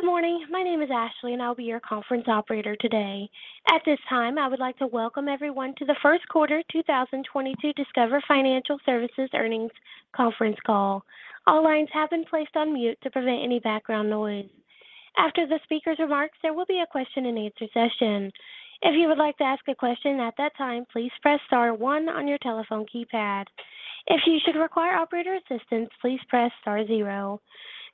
Good morning. My name is Ashley, and I'll be your conference operator today. At this time, I would like to welcome everyone to the First Quarter 2022 Discover Financial Services earnings conference call. All lines have been placed on mute to prevent any background noise. After the speaker's remarks, there will be a question-and-answer session. If you would like to ask a question at that time, please press star one on your telephone keypad. If you should require operator assistance, please press star zero.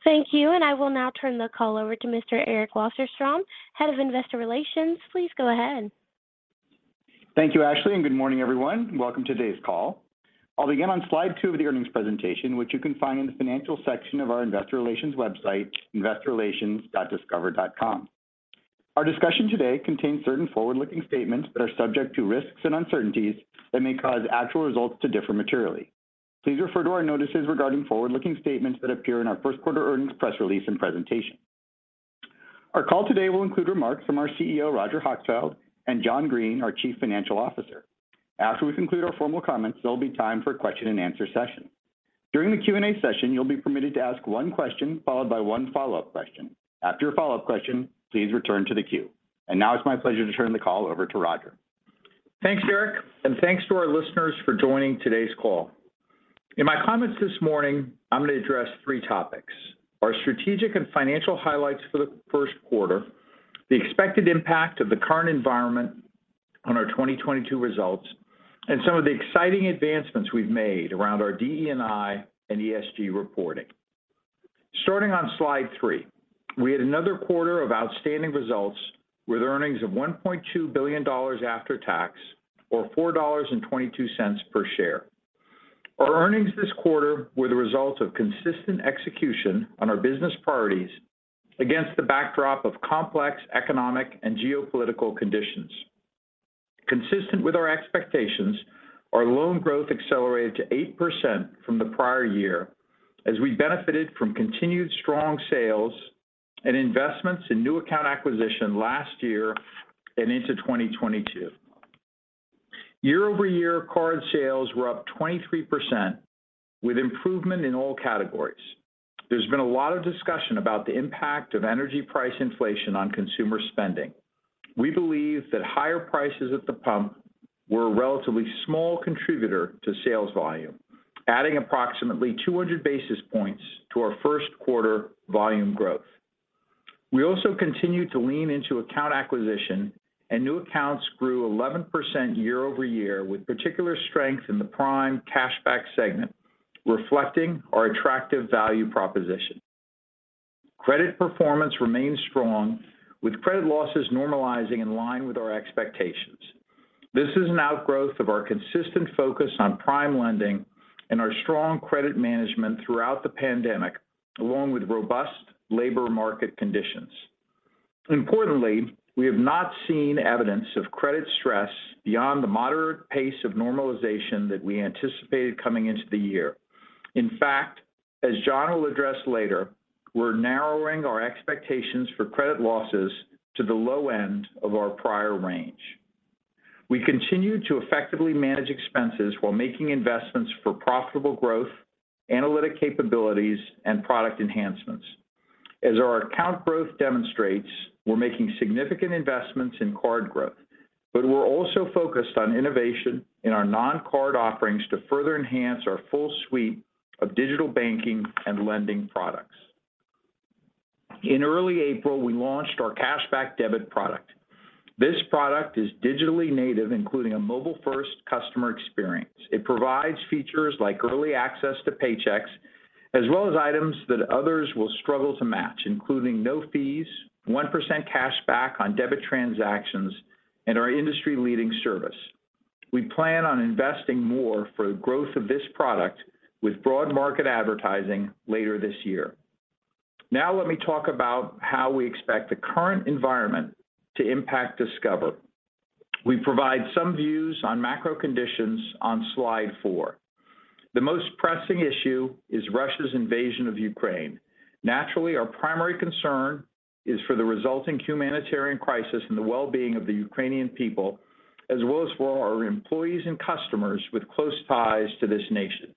Thank you, and I will now turn the call over to Mr. Eric Wasserstrom, Head of Investor Relations. Please go ahead. Thank you, Ashley, and good morning, everyone. Welcome to today's call. I'll begin on slide two of the earnings presentation, which you can find in the financial section of our Investor Relations website, investorrelations.discover.com. Our discussion today contains certain forward-looking statements that are subject to risks and uncertainties that may cause actual results to differ materially. Please refer to our notices regarding forward-looking statements that appear in our first quarter earnings press release and presentation. Our call today will include remarks from our CEO, Roger Hochschild, and John Greene, our Chief Financial Officer. After we conclude our formal comments, there'll be time for a question-and-answer session. During the Q&A session, you'll be permitted to ask one question followed by one follow-up question. After a follow-up question, please return to the queue. Now it's my pleasure to turn the call over to Roger. Thanks, Eric, and thanks to our listeners for joining today's call. In my comments this morning, I'm gonna address three topics. Our strategic and financial highlights for the first quarter, the expected impact of the current environment on our 2022 results, and some of the exciting advancements we've made around our DE&I and ESG reporting. Starting on slide three. We had another quarter of outstanding results with earnings of $1.2 billion after tax or $4.22 per share. Our earnings this quarter were the result of consistent execution on our business priorities against the backdrop of complex economic and geopolitical conditions. Consistent with our expectations, our loan growth accelerated to 8% from the prior year as we benefited from continued strong sales and investments in new account acquisition last year and into 2022. Year-over-year card sales were up 23% with improvement in all categories. There's been a lot of discussion about the impact of energy price inflation on consumer spending. We believe that higher prices at the pump were a relatively small contributor to sales volume, adding approximately 200 basis points to our first quarter volume growth. We also continued to lean into account acquisition, and new accounts grew 11% year over year with particular strength in the prime cashback segment, reflecting our attractive value proposition. Credit performance remains strong, with credit losses normalizing in line with our expectations. This is an outgrowth of our consistent focus on prime lending and our strong credit management throughout the pandemic, along with robust labor market conditions. Importantly, we have not seen evidence of credit stress beyond the moderate pace of normalization that we anticipated coming into the year. In fact, as John will address later, we're narrowing our expectations for credit losses to the low end of our prior range. We continue to effectively manage expenses while making investments for profitable growth, analytic capabilities, and product enhancements. As our account growth demonstrates, we're making significant investments in card growth, but we're also focused on innovation in our non-card offerings to further enhance our full suite of Digital Banking and Lending products. In early April, we launched our Cashback Debit product. This product is digitally native, including a mobile-first customer experience. It provides features like early access to paychecks, as well as items that others will struggle to match, including no fees, 1% cashback on debit transactions, and our industry-leading service. We plan on investing more for the growth of this product with broad market advertising later this year. Now let me talk about how we expect the current environment to impact Discover. We provide some views on macro conditions on slide four. The most pressing issue is Russia's invasion of Ukraine. Naturally, our primary concern is for the resulting humanitarian crisis and the well-being of the Ukrainian people, as well as for our employees and customers with close ties to this nation.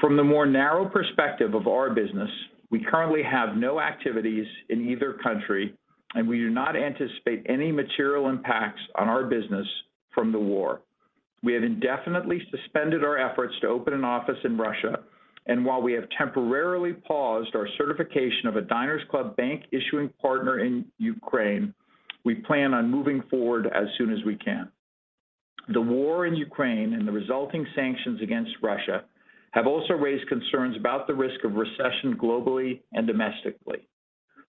From the more narrow perspective of our business, we currently have no activities in either country, and we do not anticipate any material impacts on our business from the war. We have indefinitely suspended our efforts to open an office in Russia. While we have temporarily paused our certification of a Diners Club bank issuing partner in Ukraine, we plan on moving forward as soon as we can. The war in Ukraine and the resulting sanctions against Russia have also raised concerns about the risk of recession globally and domestically.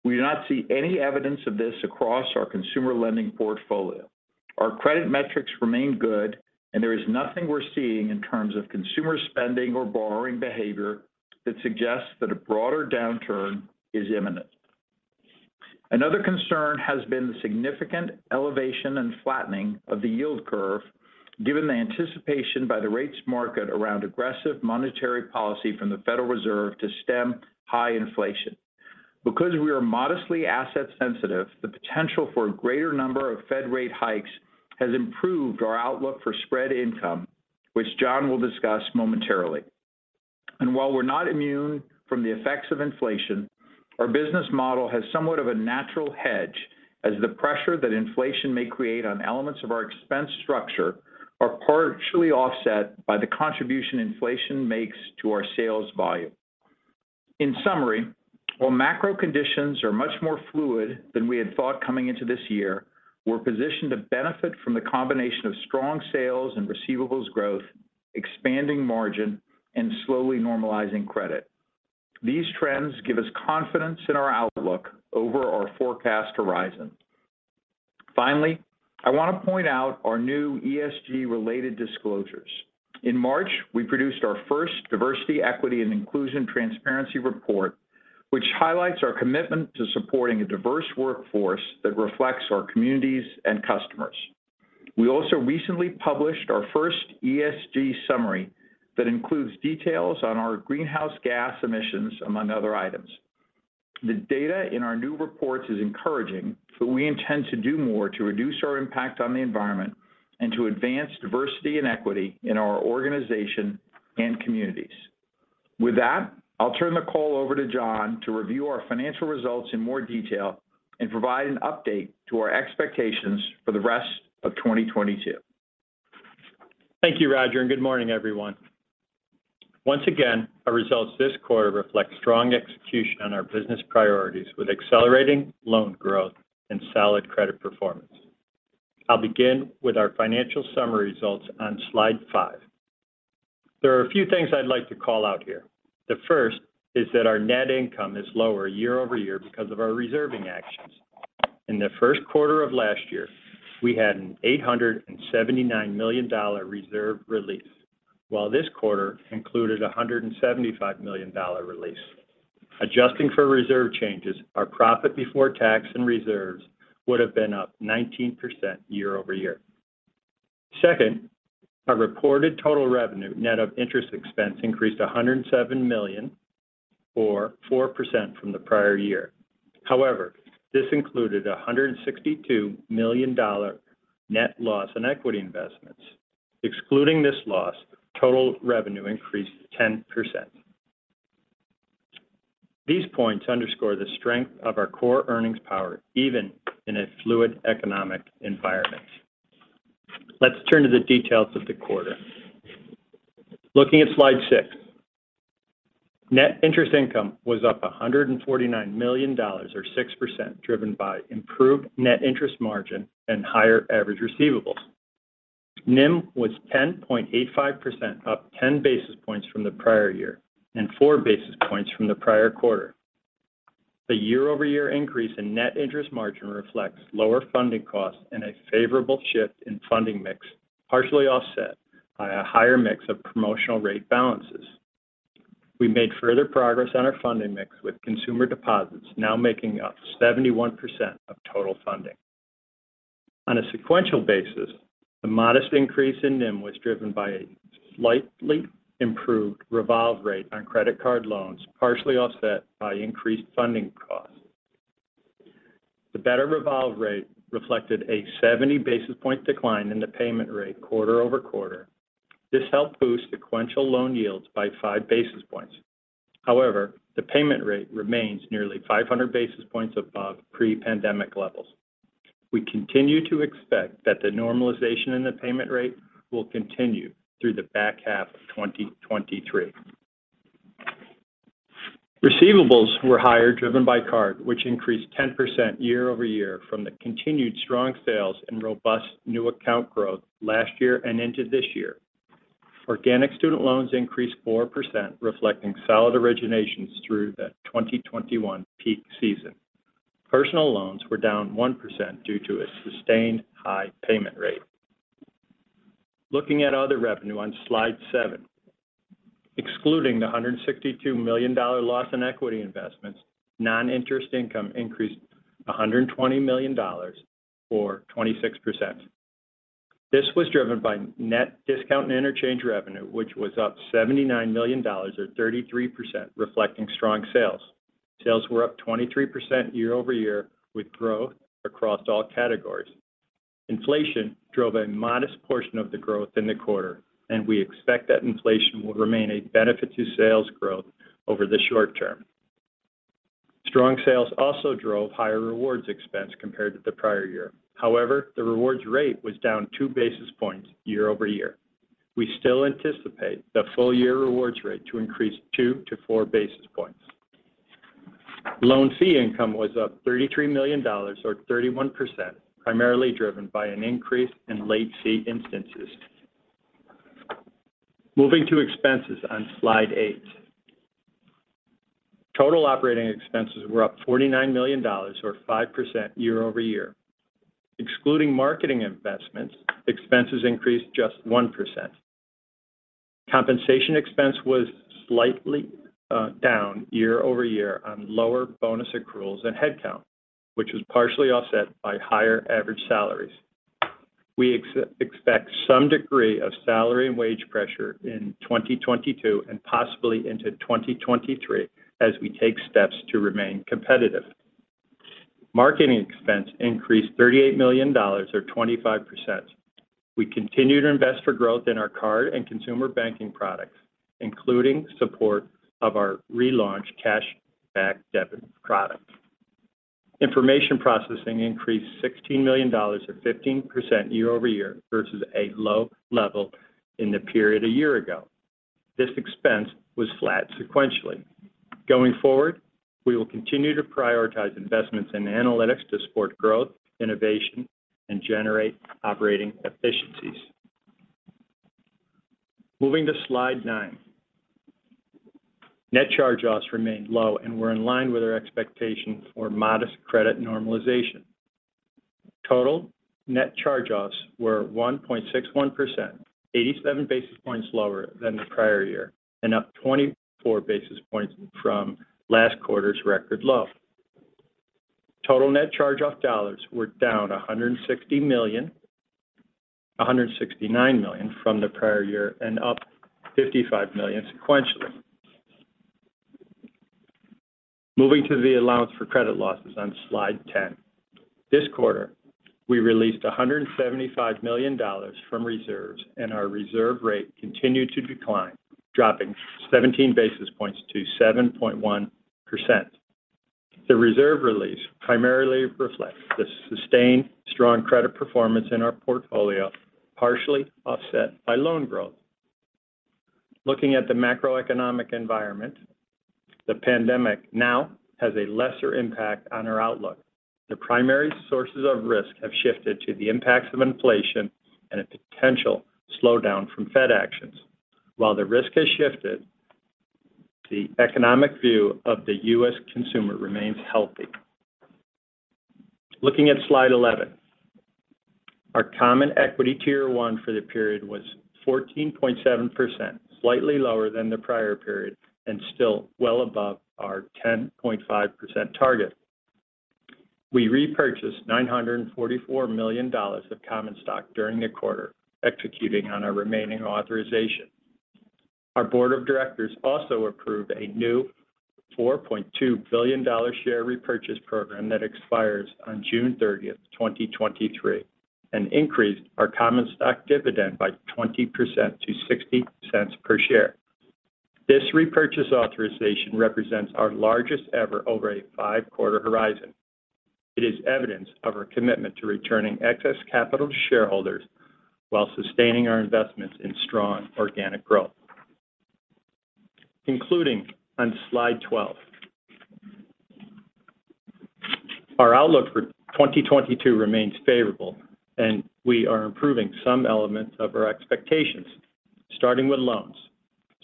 We do not see any evidence of this across our consumer lending portfolio. Our credit metrics remain good, and there is nothing we're seeing in terms of consumer spending or borrowing behavior that suggests that a broader downturn is imminent. Another concern has been the significant elevation and flattening of the yield curve given the anticipation by the rates market around aggressive monetary policy from the Federal Reserve to stem high inflation. Because we are modestly asset sensitive, the potential for a greater number of Fed rate hikes has improved our outlook for spread income, which John will discuss momentarily. While we're not immune from the effects of inflation, our business model has somewhat of a natural hedge as the pressure that inflation may create on elements of our expense structure are partially offset by the contribution inflation makes to our sales volume. In summary, while macro conditions are much more fluid than we had thought coming into this year, we're positioned to benefit from the combination of strong sales and receivables growth, expanding margin, and slowly normalizing credit. These trends give us confidence in our outlook over our forecast horizon. Finally, I want to point out our new ESG related disclosures. In March, we produced our first diversity, equity, and inclusion transparency report, which highlights our commitment to supporting a diverse workforce that reflects our communities and customers. We also recently published our first ESG summary that includes details on our greenhouse gas emissions, among other items. The data in our new reports is encouraging, but we intend to do more to reduce our impact on the environment and to advance diversity and equity in our organization and communities. With that, I'll turn the call over to John to review our financial results in more detail and provide an update to our expectations for the rest of 2022. Thank you, Roger, and good morning, everyone. Once again, our results this quarter reflect strong execution on our business priorities with accelerating loan growth and solid credit performance. I'll begin with our financial summary results on slide five. There are a few things I'd like to call out here. The first is that our net income is lower year-over-year because of our reserving actions. In the first quarter of last year, we had an $879 million reserve release. While this quarter included a $175 million release. Adjusting for reserve changes, our profit before tax and reserves would have been up 19% year-over-year. Second, our reported total revenue net of interest expense increased $107 million or 4% from the prior year. However, this included a $162 million net loss in equity investments. Excluding this loss, total revenue increased 10%. These points underscore the strength of our core earnings power, even in a fluid economic environment. Let's turn to the details of the quarter. Looking at slide six. Net interest income was up $149 million or 6% driven by improved net interest margin and higher average receivables. NIM was 10.85%, up 10 basis points from the prior year and 4 basis points from the prior quarter. The year-over-year increase in net interest margin reflects lower funding costs and a favorable shift in funding mix, partially offset by a higher mix of promotional rate balances. We made further progress on our funding mix with consumer deposits now making up 71% of total funding. On a sequential basis, the modest increase in NIM was driven by a slightly improved revolve rate on Credit Card loans, partially offset by increased funding costs. The better revolve rate reflected a 70 basis point decline in the payment rate quarter-over-quarter. This helped boost sequential loan yields by 5 basis points. However, the payment rate remains nearly 500 basis points above pre-pandemic levels. We continue to expect that the normalization in the payment rate will continue through the back half of 2023. Receivables were higher driven by card, which increased 10% year-over-year from the continued strong sales and robust new account growth last year and into this year. Organic student loans increased 4%, reflecting solid originations through the 2021 peak season. Personal Loans were down 1% due to a sustained high payment rate. Looking at other revenue on slide seven. Excluding the $162 million loss in equity investments, non-interest income increased $120 million or 26%. This was driven by net discount and interchange revenue, which was up $79 million or 33%, reflecting strong sales. Sales were up 23% year-over-year with growth across all categories. Inflation drove a modest portion of the growth in the quarter, and we expect that inflation will remain a benefit to sales growth over the short term. Strong sales also drove higher rewards expense compared to the prior year. However, the rewards rate was down 2 basis points year-over-year. We still anticipate the full-year rewards rate to increase 2 basis points-4 basis points. Loan fee income was up $33 million or 31%, primarily driven by an increase in late fee instances. Moving to expenses on slide eight. Total operating expenses were up $49 million or 5% year-over-year. Excluding marketing investments, expenses increased just 1%. Compensation expense was slightly down year-over-year on lower bonus accruals and headcount, which was partially offset by higher average salaries. We expect some degree of salary and wage pressure in 2022 and possibly into 2023 as we take steps to remain competitive. Marketing expense increased $38 million or 25%. We continue to invest for growth in our Card and Consumer Banking products, including support of our relaunched Cashback Debit product. Information processing increased $16 million or 15% year-over-year versus a low level in the period a year ago. This expense was flat sequentially. Going forward, we will continue to prioritize investments in analytics to support growth, innovation, and generate operating efficiencies. Moving to slide nine. Net charge-offs remained low and were in line with our expectation for modest credit normalization. Total net charge-offs were 1.61%, 87 basis points lower than the prior year and up 24 basis points from last quarter's record low. Total net charge-off dollars were down $169 million from the prior year and up $55 million sequentially. Moving to the allowance for credit losses on slide 10. This quarter, we released $175 million from reserves, and our reserve rate continued to decline, dropping 17 basis points to 7.1%. The reserve release primarily reflects the sustained strong credit performance in our portfolio, partially offset by loan growth. Looking at the macroeconomic environment, the pandemic now has a lesser impact on our outlook. The primary sources of risk have shifted to the impacts of inflation and a potential slowdown from Fed actions. While the risk has shifted, the economic view of the U.S. consumer remains healthy. Looking at slide 11. Our Common Equity Tier 1 for the period was 14.7%, slightly lower than the prior period and still well above our 10.5% target. We repurchased $944 million of common stock during the quarter, executing on our remaining authorization. Our Board of Directors also approved a new $4.2 billion share repurchase program that expires on June 30th, 2023 and increased our common stock dividend by 20% to $0.60 per share. This repurchase authorization represents our largest ever over a five-quarter horizon. It is evidence of our commitment to returning excess capital to shareholders while sustaining our investments in strong organic growth. Concluding on slide 12. Our outlook for 2022 remains favorable, and we are improving some elements of our expectations, starting with loans.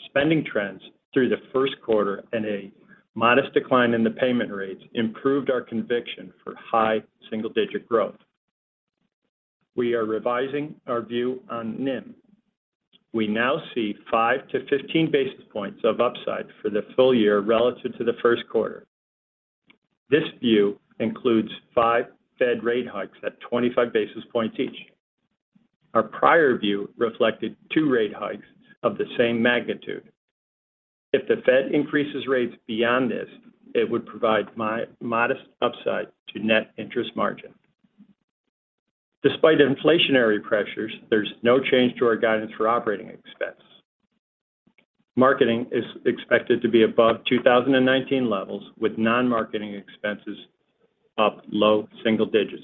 Spending trends through the first quarter and a modest decline in the payment rates improved our conviction for high single-digit growth. We are revising our view on NIM. We now see 5 basis points-15 basis points of upside for the full year relative to the first quarter. This view includes five Fed rate hikes at 25 basis points each. Our prior view reflected two rate hikes of the same magnitude. If the Fed increases rates beyond this, it would provide modest upside to net interest margin. Despite inflationary pressures, there's no change to our guidance for operating expense. Marketing is expected to be above 2019 levels, with non-marketing expenses up low single digits.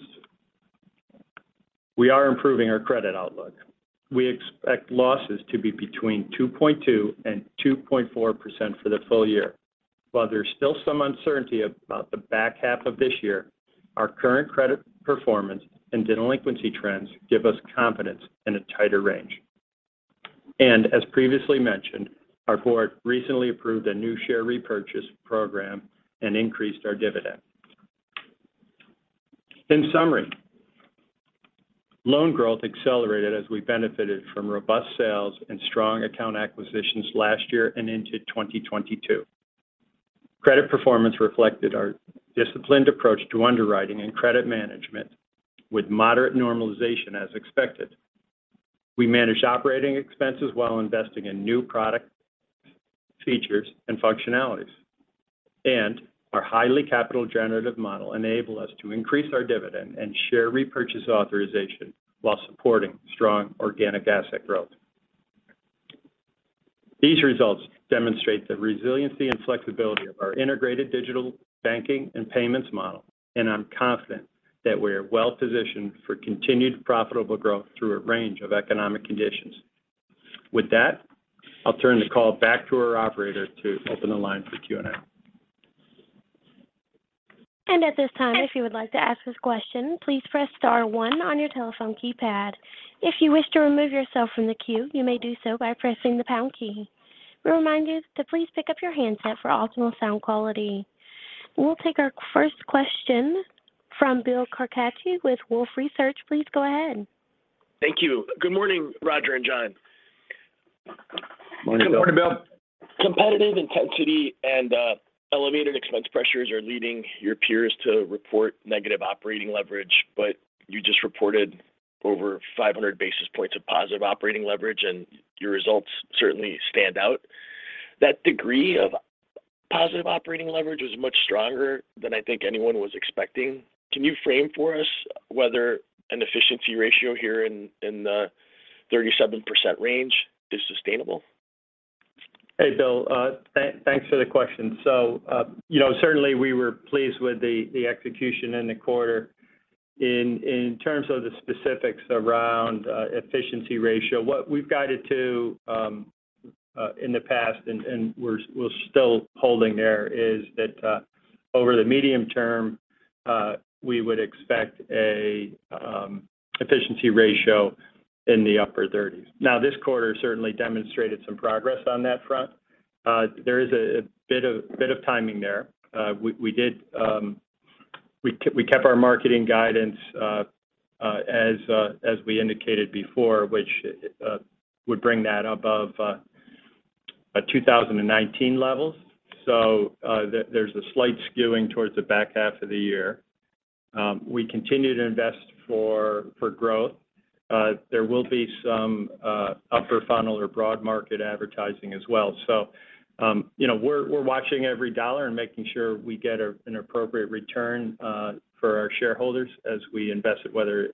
We are improving our credit outlook. We expect losses to be between 2.2% and 2.4% for the full year. While there's still some uncertainty about the back half of this year, our current credit performance and delinquency trends give us confidence in a tighter range. As previously mentioned, our Board recently approved a new share repurchase program and increased our dividend. In summary, loan growth accelerated as we benefited from robust sales and strong account acquisitions last year and into 2022. Credit performance reflected our disciplined approach to underwriting and credit management with moderate normalization as expected. We managed operating expenses while investing in new product features and functionalities. Our highly capital generative model enable us to increase our dividend and share repurchase authorization while supporting strong organic asset growth. These results demonstrate the resiliency and flexibility of our integrated digital banking and payments model, and I'm confident that we are well positioned for continued profitable growth through a range of economic conditions. With that, I'll turn the call back to our operator to open the line for Q&A. At this time, if you would like to ask this question, please press star one on your telephone keypad. If you wish to remove yourself from the queue, you may do so by pressing the pound key. We remind you to please pick up your handset for optimal sound quality. We'll take our first question from Bill Carcache with Wolfe Research. Please go ahead. Thank you. Good morning, Roger and John. Morning, Bill. Good morning, Bill. Competitive intensity and elevated expense pressures are leading your peers to report negative operating leverage. You just reported over 500 basis points of positive operating leverage, and your results certainly stand out. That degree of positive operating leverage was much stronger than I think anyone was expecting. Can you frame for us whether an efficiency ratio here in the 37% range is sustainable? Hey, Bill, thanks for the question. You know, certainly we were pleased with the execution in the quarter. In terms of the specifics around efficiency ratio, what we've guided to in the past and we're still holding there, is that over the medium term we would expect a efficiency ratio in the upper 30s. Now, this quarter certainly demonstrated some progress on that front. There is a bit of timing there. We kept our marketing guidance as we indicated before, which would bring that above 2019 levels. There's a slight skewing towards the back half of the year. We continue to invest for growth. There will be some upper funnel or broad market advertising as well. You know, we're watching every dollar and making sure we get an appropriate return for our shareholders as we invest, whether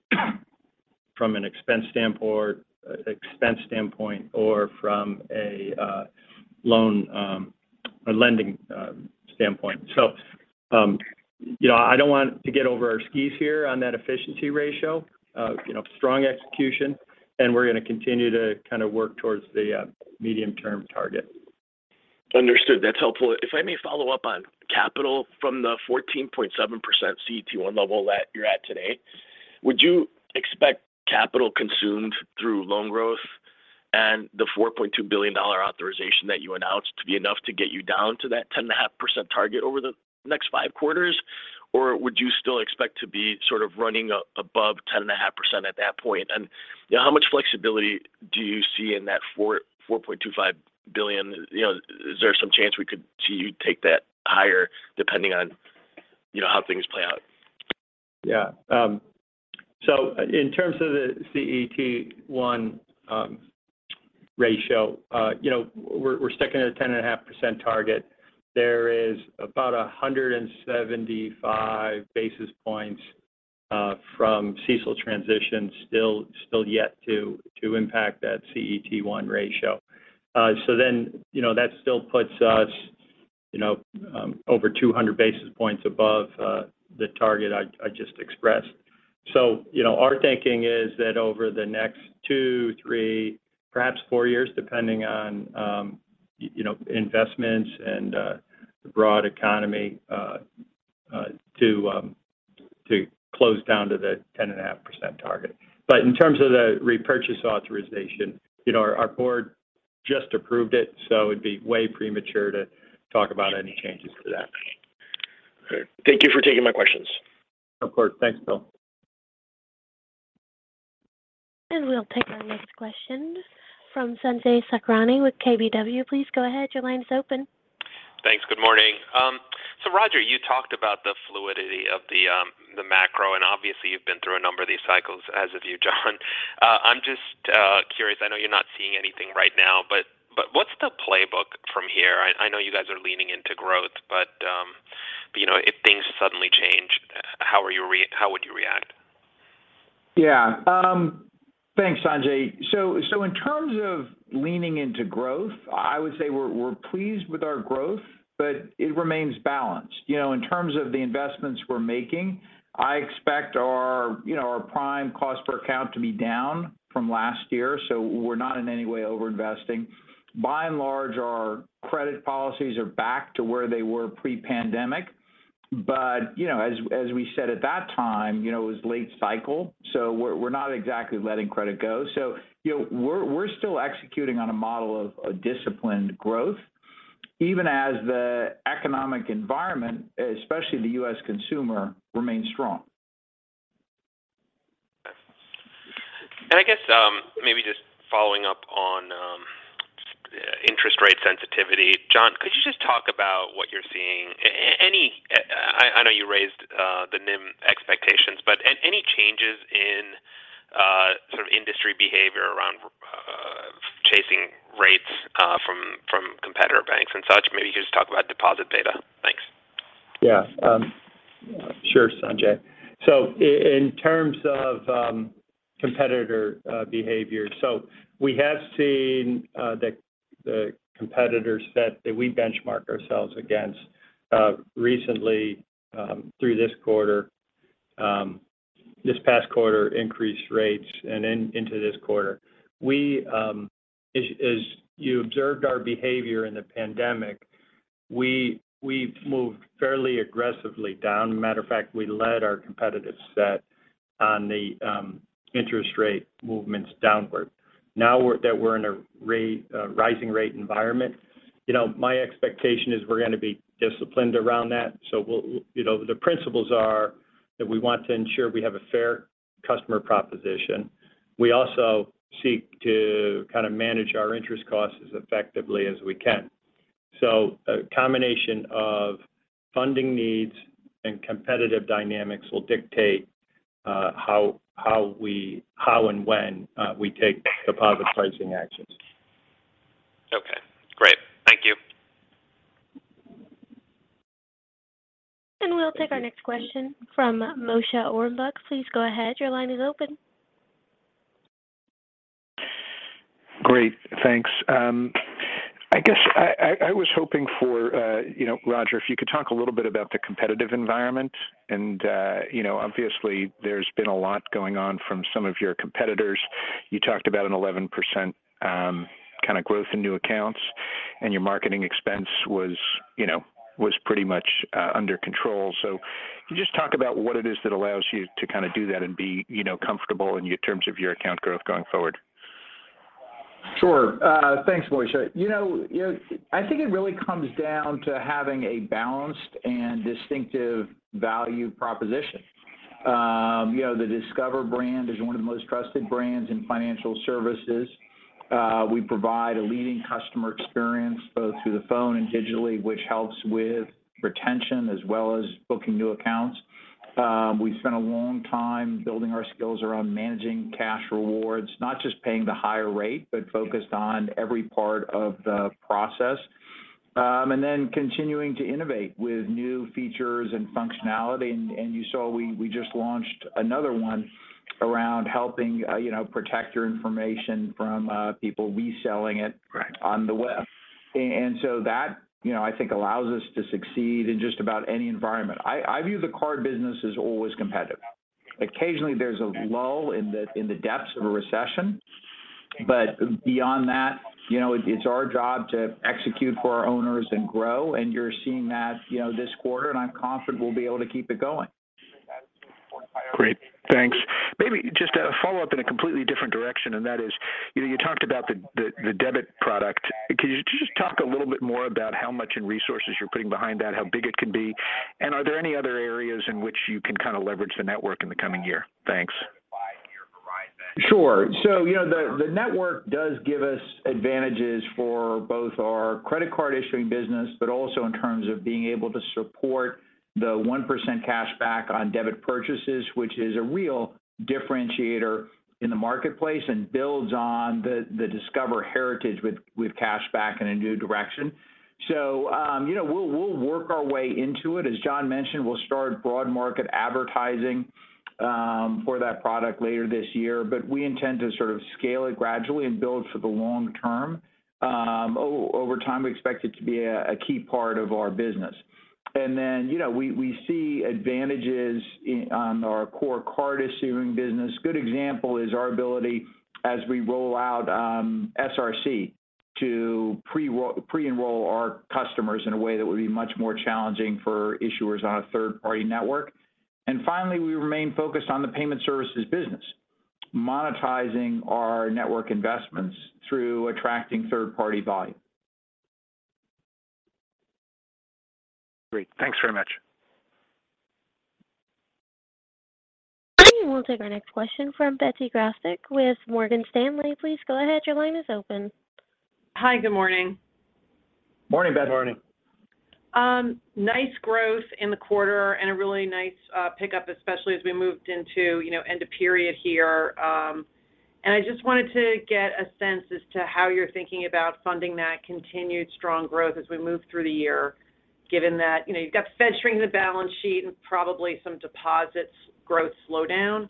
from an expense standpoint or from a lending standpoint. You know, I don't want to get over our skis here on that efficiency ratio. Strong execution, and we're gonna continue to kind of work towards the medium-term target. Understood. That's helpful. If I may follow up on capital from the 14.7% CET1 level that you're at today, would you expect capital consumed through loan growth and the $4.2 billion authorization that you announced to be enough to get you down to that 10.5% target over the next five quarters? Or would you still expect to be sort of running above 10.5% at that point? You know, how much flexibility do you see in that $4.25 billion? You know, is there some chance we could see you take that higher depending on, you know, how things play out? Yeah. In terms of the CET1 ratio, you know, we're sticking at a 10.5% target. There is about 175 basis points from CECL transition still yet to impact that CET1 ratio. You know, that still puts us, you know, over 200 basis points above the target I just expressed. Our thinking is that over the next two, three, perhaps four years, depending on you know, investments and the broad economy, to close down to the 10.5% target. In terms of the repurchase authorization, you know, our board just approved it, so it'd be way premature to talk about any changes to that. All right. Thank you for taking my questions. Of course. Thanks, Bill. We'll take our next question from Sanjay Sakhrani with KBW. Please go ahead, your line is open. Thanks. Good morning. Roger, you talked about the fluidity of the macro, and obviously you've been through a number of these cycles, as have you, John. I'm just curious. I know you're not seeing anything right now, but what's the playbook from here? I know you guys are leaning into growth, but you know, if things suddenly change, how would you react? Yeah. Thanks, Sanjay. In terms of leaning into growth, I would say we're pleased with our growth, but it remains balanced. You know, in terms of the investments we're making, I expect our prime cost per account to be down from last year, so we're not in any way over-investing. By and large, our credit policies are back to where they were pre-pandemic. You know, as we said at that time, you know, it was late cycle, so we're not exactly letting credit go. You know, we're still executing on a model of a disciplined growth, even as the economic environment, especially the U.S. consumer, remains strong. I guess, maybe just following up on interest rate sensitivity. John, could you just talk about what you're seeing? I know you raised the NIM expectations, but any changes in sort of industry behavior around chasing rates from competitor banks and such? Maybe you can just talk about deposit beta. Thanks. Yeah. Sure, Sanjay. In terms of competitor behavior. We have seen the competitor set that we benchmark ourselves against recently through this past quarter increased rates and into this quarter. As you observed our behavior in the pandemic, we've moved fairly aggressively down. Matter of fact, we led our competitor set on the interest rate movements downward. Now that we're in a rising rate environment, you know, my expectation is we're gonna be disciplined around that. We'll, you know, the principles are that we want to ensure we have a fair customer proposition. We also seek to kind of manage our interest costs as effectively as we can. A combination of funding needs and competitive dynamics will dictate. How and when we take deposit pricing actions. Okay, great. Thank you. We'll take our next question from Moshe Orenbuch. Please go ahead. Your line is open. Great. Thanks. I guess I was hoping for, you know, Roger, if you could talk a little bit about the competitive environment and, you know, obviously there's been a lot going on from some of your competitors. You talked about an 11% kind of growth in new accounts, and your marketing expense was, you know, pretty much under control. Can you just talk about what it is that allows you to kind of do that and be, you know, comfortable in terms of your account growth going forward? Sure. Thanks, Moshe. You know, I think it really comes down to having a balanced and distinctive value proposition. You know, the Discover brand is one of the most trusted brands in financial services. We provide a leading customer experience both through the phone and digitally, which helps with retention as well as booking new accounts. We spent a long time building our skills around managing cash rewards, not just paying the higher rate, but focused on every part of the process. Then continuing to innovate with new features and functionality. You saw we just launched another one around helping protect your information from people reselling it on the web. That, you know, I think allows us to succeed in just about any environment. I view the Card business as always competitive. Occasionally, there's a lull in the depths of a recession, but beyond that, you know, it's our job to execute for our owners and grow, and you're seeing that, you know, this quarter, and I'm confident we'll be able to keep it going. Great. Thanks. Maybe just a follow-up in a completely different direction, and that is, you know, you talked about the debit product. Could you just talk a little bit more about how much in resources you're putting behind that, how big it could be? And are there any other areas in which you can kind of leverage the network in the coming year? Thanks. Sure. You know, the network does give us advantages for both our Credit Card issuing business, but also in terms of being able to support the 1% cashback on debit purchases, which is a real differentiator in the marketplace and builds on the Discover heritage with cashback in a new direction. You know, we'll work our way into it. As John mentioned, we'll start broad market advertising for that product later this year. We intend to sort of scale it gradually and build for the long term. Over time, we expect it to be a key part of our business. You know, we see advantages in our core Card issuing business. Good example is our ability as we roll out SRC to pre-enroll our customers in a way that would be much more challenging for issuers on a third-party network. Finally, we remain focused on the Payment Services business, monetizing our network investments through attracting third-party volume. Great. Thanks very much. We'll take our next question from Betsy Graseck with Morgan Stanley. Please go ahead. Your line is open. Hi, good morning. Morning, Betsy. Morning. Nice growth in the quarter and a really nice pickup, especially as we moved into, you know, end of period here. I just wanted to get a sense as to how you're thinking about funding that continued strong growth as we move through the year, given that, you know, you've got fattening the balance sheet and probably some deposits growth slowdown.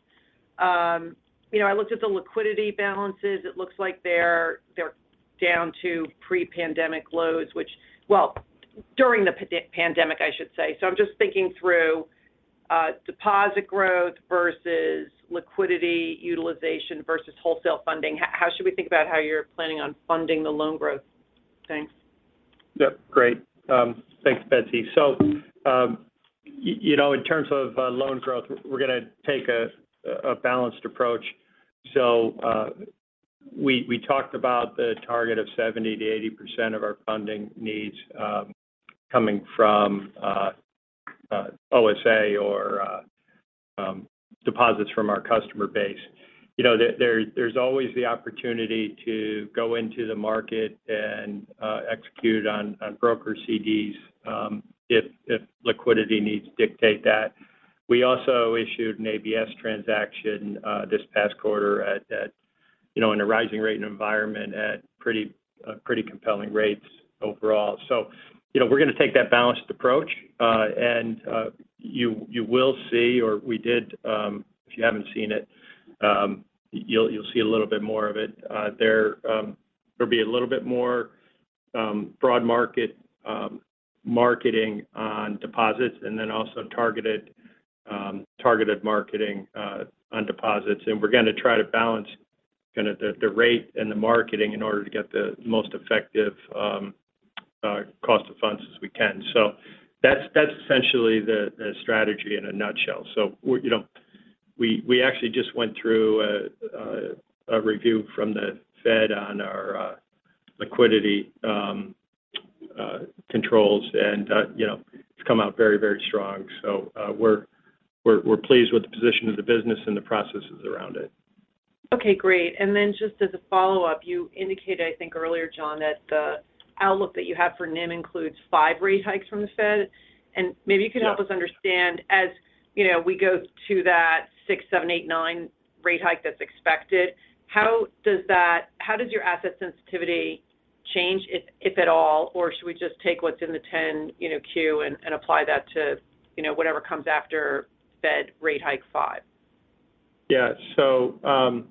I looked at the liquidity balances. It looks like they're down to pre-pandemic lows, which, well, during the pandemic, I should say. I'm just thinking through deposit growth versus liquidity utilization versus wholesale funding. How should we think about how you're planning on funding the loan growth? Thanks. Yeah. Great. Thanks, Betsy. You know, in terms of loan growth, we're gonna take a balanced approach. We talked about the target of 70%-80% of our funding needs coming from DTC or deposits from our customer base. You know, there's always the opportunity to go into the market and execute on broker CDs if liquidity needs dictate that. We also issued an ABS transaction this past quarter at you know, in a rising rate environment at pretty compelling rates overall. You know, we're gonna take that balanced approach and you will see or we did if you haven't seen it, you'll see a little bit more of it. There'll be a little bit more broad market marketing on deposits and then also targeted marketing on deposits. We're gonna try to balance kind of the rate and the marketing in order to get the most effective cost of funds as we can. That's essentially the strategy in a nutshell. We're, you know, we actually just went through a review from the Fed on our liquidity controls, and you know, it's come out very, very strong. We're pleased with the position of the business and the processes around it. Okay, great. Just as a follow-up, you indicated, I think earlier, John, that the outlook that you have for NIM includes 5 rate hikes from the Fed. Maybe you can help us understand as, you know, we go to that 6, 7, 8, 9 rate hike that's expected, how does that, how does your asset sensitivity change if at all? Should we just take what's in the 10-Q and apply that to, you know, whatever comes after Fed rate hike 5? Yeah. The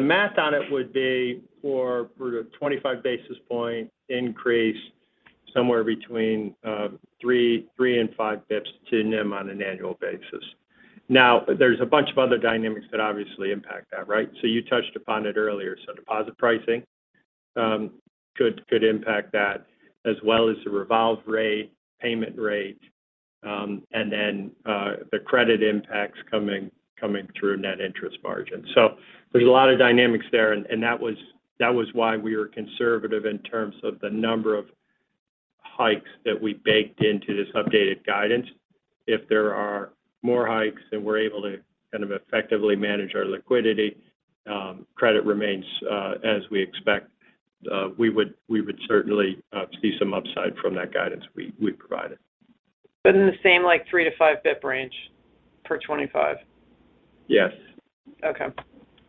math on it would be for a 25 basis point increase somewhere between three and five basis points to NIM on an annual basis. Now, there's a bunch of other dynamics that obviously impact that, right? You touched upon it earlier. Deposit pricing could impact that as well as the revolve rate, payment rate, and then the credit impacts coming through net interest margin. There's a lot of dynamics there and that was why we were conservative in terms of the number of hikes that we baked into this updated guidance. If there are more hikes than we're able to kind of effectively manage our liquidity, credit remains as we expect. We would certainly see some upside from that guidance we provided. In the same like 3 basic points-5 basic points range for 25? Yes. Okay.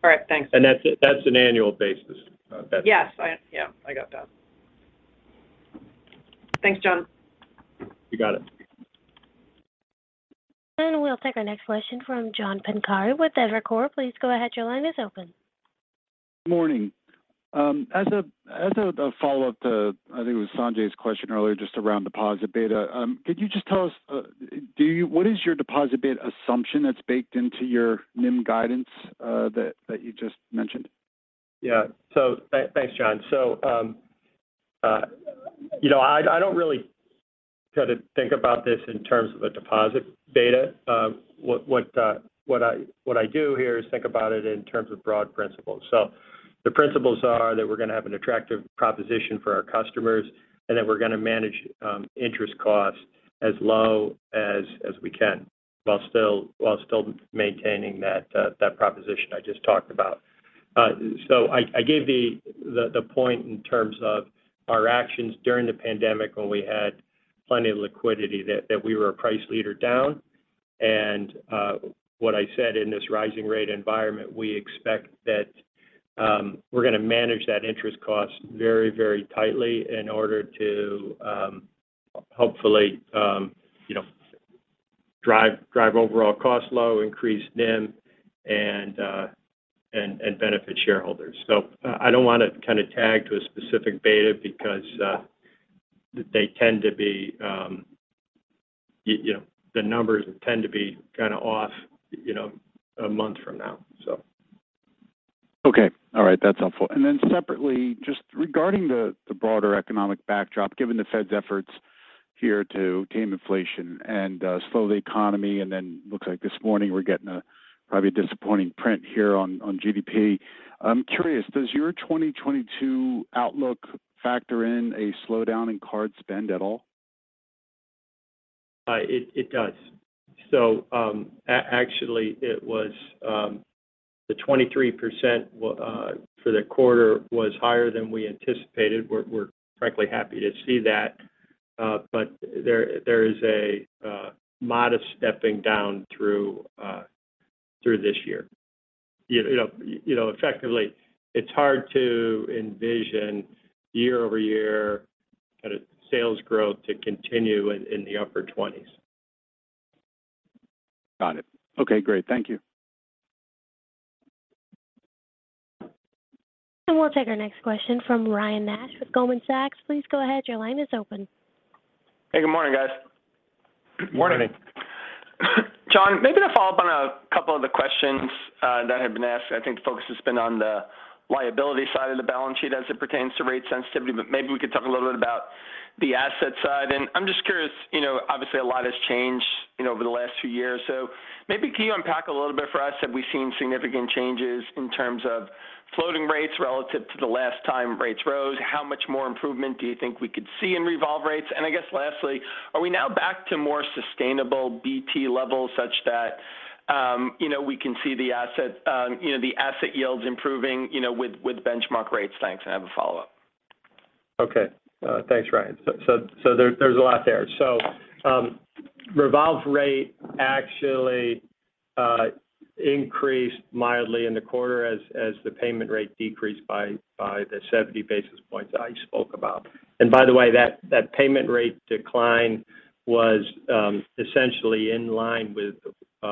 All right, thanks. That's an annual basis. Yes. Yeah, I got that. Thanks, John. You got it. We'll take our next question from John Pancari with Evercore. Please go ahead. Your line is open. Morning. As a follow-up to I think it was Sanjay's question earlier just around deposit beta, could you just tell us what is your deposit beta assumption that's baked into your NIM guidance, that you just mentioned? Yeah. Thanks, John. You know, I don't really kind of think about this in terms of a deposit beta. What I do here is think about it in terms of broad principles. The principles are that we're gonna have an attractive proposition for our customers, and that we're gonna manage interest costs as low as we can while still maintaining that proposition I just talked about. I gave the point in terms of our actions during the pandemic when we had plenty of liquidity that we were a price leader down. What I said in this rising rate environment, we expect that we're gonna manage that interest cost very, very tightly in order to hopefully, you know, drive overall cost low, increase NIM and benefit shareholders. I don't want to kind of tie to a specific beta because they tend to be you know, the numbers tend to be kind of off, you know, a month from now, so. Okay. All right. That's helpful. Separately, just regarding the broader economic backdrop, given the Fed's efforts here to tame inflation and slow the economy, then looks like this morning we're getting a probably disappointing print here on GDP. I'm curious, does your 2022 outlook factor in a slowdown in card spend at all? It does. Actually, it was the 23% for the quarter was higher than we anticipated. We're frankly happy to see that. There is a modest stepping down through this year. You know, effectively, it's hard to envision year-over-year kind of sales growth to continue in the upper 20s%. Got it. Okay, great. Thank you. We'll take our next question from Ryan Nash with Goldman Sachs. Please go ahead. Your line is open. Hey, good morning, guys. Morning. John, maybe to follow up on a couple of the questions that have been asked. I think the focus has been on the liability side of the balance sheet as it pertains to rate sensitivity, but maybe we could talk a little bit about the asset side. I'm just curious, you know, obviously a lot has changed, you know, over the last few years. So maybe can you unpack a little bit for us? Have we seen significant changes in terms of floating rates relative to the last time rates rose? How much more improvement do you think we could see in revolve rates? And I guess lastly, are we now back to more sustainable BT levels such that you know, we can see the asset yields improving, you know, with benchmark rates? Thanks, and I have a follow-up. Okay. Thanks, Ryan. There's a lot there. Revolve rate actually increased mildly in the quarter as the payment rate decreased by the 70 basis points I spoke about. By the way, that payment rate decline was essentially in line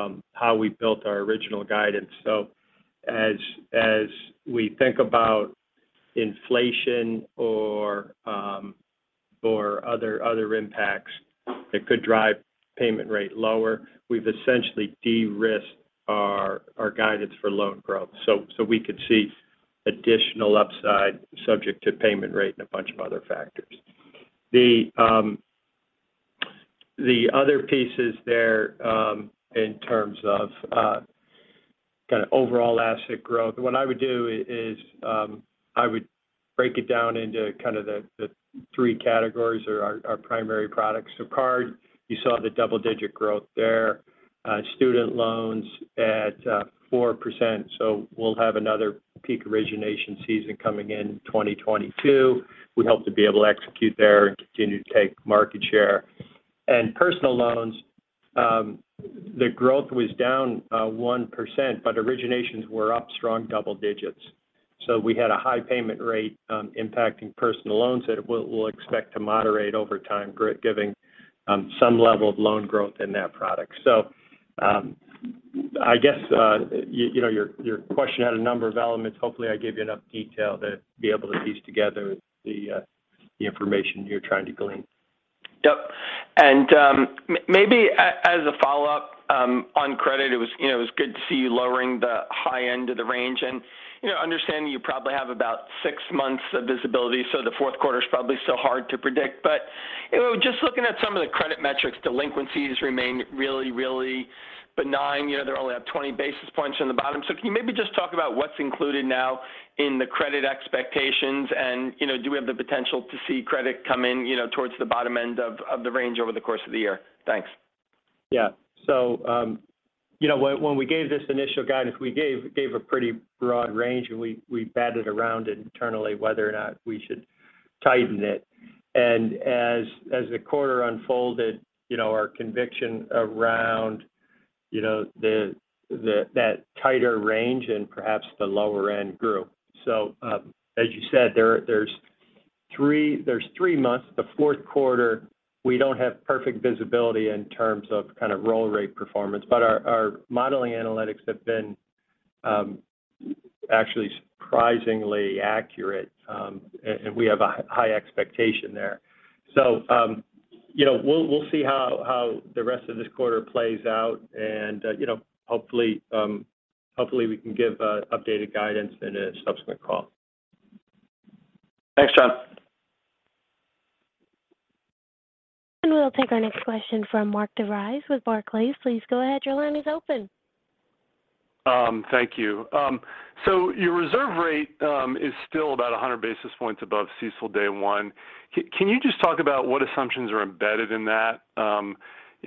with how we built our original guidance. As we think about inflation or other impacts that could drive payment rate lower, we've essentially de-risked our guidance for loan growth. We could see additional upside subject to payment rate and a bunch of other factors. The other pieces there in terms of kind of overall asset growth, what I would do is break it down into kind of the three categories or our primary products. Card, you saw the double-digit growth there. Student loans at 4%. We'll have another peak origination season coming in 2022. We hope to be able to execute there and continue to take market share. Personal Loans, the growth was down 1%, but originations were up strong double digits. We had a high payment rate impacting Personal Loans that we'll expect to moderate over time giving some level of loan growth in that product. I guess you know your question had a number of elements. Hopefully, I gave you enough detail to be able to piece together the information you're trying to glean. Yep. Maybe as a follow-up on credit, it was good to see you lowering the high end of the range. Understanding you probably have about six months of visibility, the fourth quarter is probably still hard to predict. Just looking at some of the credit metrics, delinquencies remain really benign. They're only up 20 basis points from the bottom. Can you maybe just talk about what's included now in the credit expectations, and do we have the potential to see credit come in towards the bottom end of the range over the course of the year? Thanks. Yeah. So, you know, when we gave this initial guidance, we gave a pretty broad range, and we batted around it internally whether or not we should tighten it. As the quarter unfolded, you know, our conviction around, you know, that tighter range and perhaps the lower end grew. As you said, there's three months. The fourth quarter, we don't have perfect visibility in terms of kind of roll rate performance. Our modeling analytics have been actually surprisingly accurate, and we have a high expectation there. You know, we'll see how the rest of this quarter plays out and, you know, hopefully, we can give an updated guidance in a subsequent call. Thanks, John. We'll take our next question from Mark DeVries with Barclays. Please go ahead. Your line is open. Thank you. So your reserve rate is still about 100 basis points above CECL day one. Can you just talk about what assumptions are embedded in that? You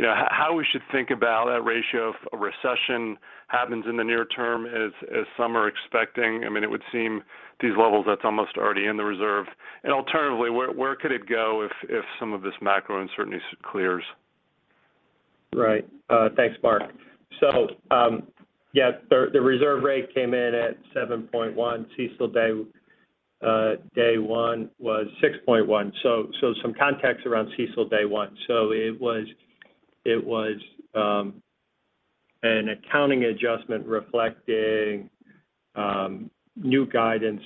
know, how we should think about that ratio if a recession happens in the near term as some are expecting? I mean, it would seem these levels that's almost already in the reserve. Alternatively, where could it go if some of this macro uncertainty clears? Right. Thanks, Mark. The reserve rate came in at 7.1. CECL day one was 6.1. Some context around CECL day one. It was an accounting adjustment reflecting new guidance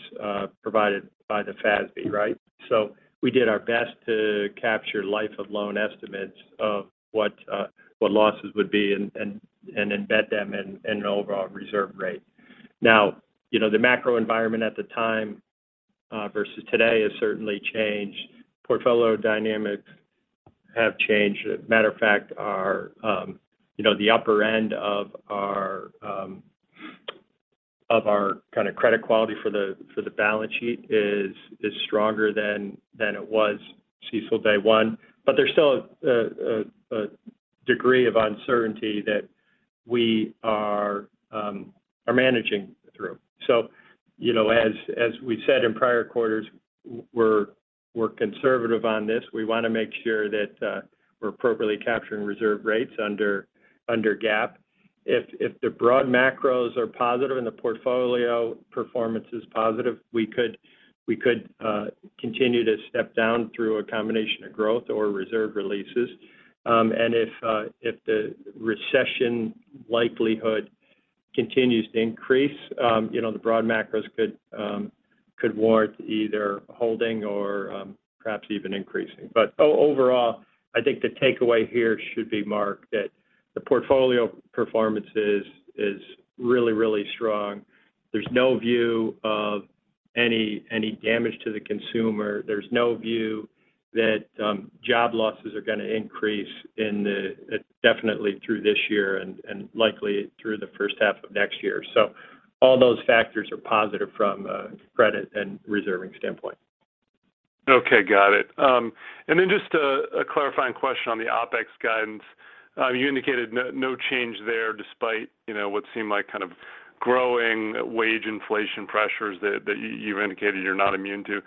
provided by the FASB, right? We did our best to capture life of loan estimates of what losses would be and embed them in an overall reserve rate. Now, you know, the macro environment at the time versus today has certainly changed. Portfolio dynamics have changed. As a matter of fact, you know, the upper end of our kind of credit quality for the balance sheet is stronger than it was CECL day one. There's still a degree of uncertainty that we are managing through. You know, as we said in prior quarters, we're conservative on this. We want to make sure that we're appropriately capturing reserve rates under GAAP. If the broad macros are positive and the portfolio performance is positive, we could continue to step down through a combination of growth or reserve releases. If the recession likelihood continues to increase, you know, the broad macros could warrant either holding or perhaps even increasing. Overall, I think the takeaway here should be, Mark, that the portfolio performance is really strong. There's no view of any damage to the consumer. There's no view that job losses are gonna increase definitely through this year and likely through the first half of next year. All those factors are positive from a credit and reserving standpoint. Okay, got it. Just a clarifying question on the OpEx guidance. You indicated no change there despite, you know, what seemed like kind of growing wage inflation pressures that you've indicated you're not immune to.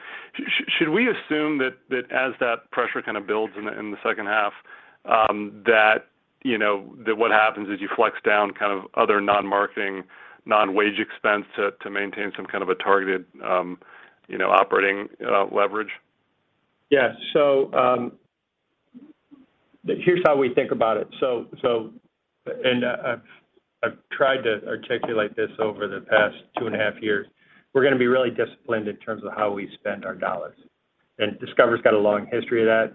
Should we assume that as that pressure kind of builds in the second half, that you know that what happens is you flex down kind of other non-marketing, non-wage expense to maintain some kind of a targeted, you know, operating leverage? Yeah. Here's how we think about it. I've tried to articulate this over the past 2.5 years. We're gonna be really disciplined in terms of how we spend our dollars. Discover's got a long history of that.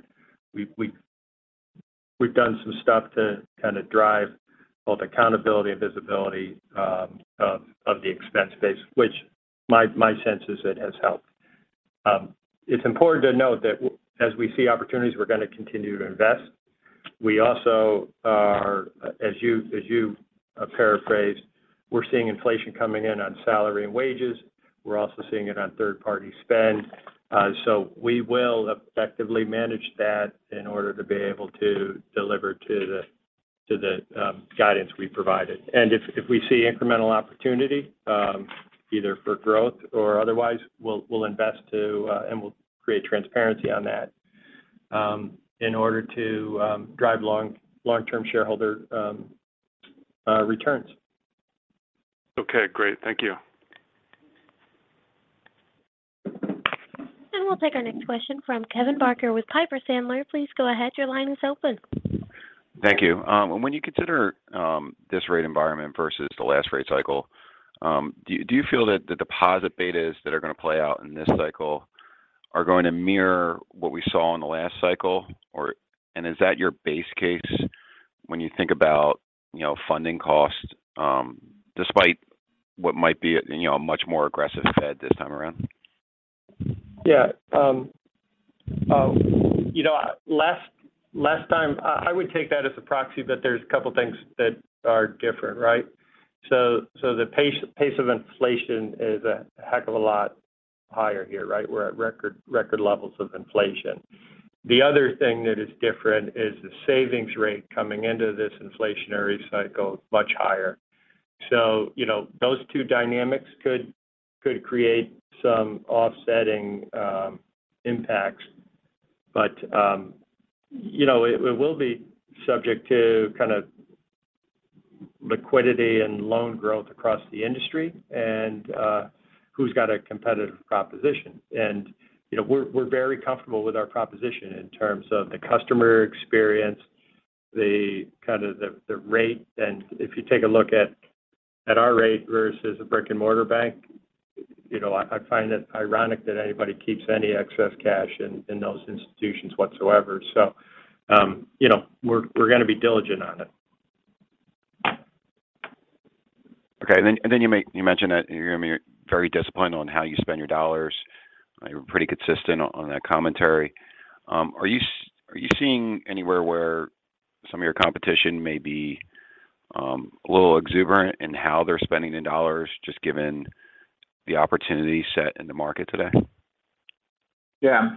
We've done some stuff to kind of drive both accountability and visibility of the expense base, which my sense is it has helped. It's important to note that as we see opportunities, we're gonna continue to invest. We also are as you paraphrased, we're seeing inflation coming in on salary and wages. We're also seeing it on third-party spend. We will effectively manage that in order to be able to deliver to the guidance we provided. If we see incremental opportunity, either for growth or otherwise, we'll invest too and we'll create transparency on that, in order to drive long-term shareholder returns. Okay, great. Thank you. We'll take our next question from Kevin Barker with Piper Sandler. Please go ahead. Your line is open. Thank you. When you consider this rate environment versus the last rate cycle, do you feel that the deposit betas that are gonna play out in this cycle are going to mirror what we saw in the last cycle, or? Is that your base case when you think about, you know, funding costs, despite what might be a, you know, a much more aggressive Fed this time around? Yeah. You know, last time I would take that as a proxy that there's a couple things that are different, right? The pace of inflation is a heck of a lot higher here, right? We're at record levels of inflation. The other thing that is different is the savings rate coming into this inflationary cycle much higher. You know, those two dynamics could create some offsetting impacts. But you know, it will be subject to kind of liquidity and loan growth across the industry and who's got a competitive proposition. You know, we're very comfortable with our proposition in terms of the customer experience, the rate. If you take a look at our rate versus a brick-and-mortar bank, you know, I find it ironic that anybody keeps any excess cash in those institutions whatsoever. You know, we're gonna be diligent on it. Okay. You mentioned that you're gonna be very disciplined on how you spend your dollars. You're pretty consistent on that commentary. Are you seeing anywhere where some of your competition may be a little exuberant in how they're spending their dollars, just given the opportunity set in the market today? Yeah.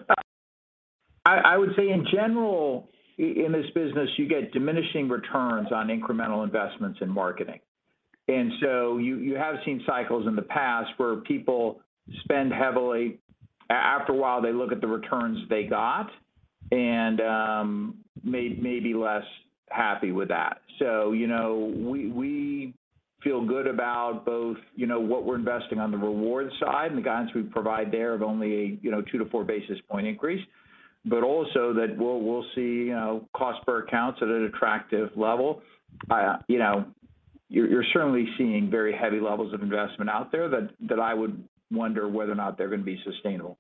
I would say in general, in this business, you get diminishing returns on incremental investments in marketing. You have seen cycles in the past where people spend heavily. After a while they look at the returns they got and may be less happy with that. You know, we feel good about both, you know, what we're investing on the reward side and the guidance we provide there of only, you know, 2 basis point-4 basis point increase. But also that we'll see, you know, cost per accounts at an attractive level. You know, you're certainly seeing very heavy levels of investment out there that I would wonder whether or not they're gonna be sustainable.